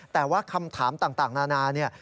แต่ว่าคำถามต่างนานา